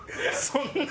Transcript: そんな。